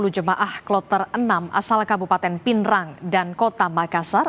dua ratus dua puluh jemaah kloter enam asal kabupaten pindrang dan kota makassar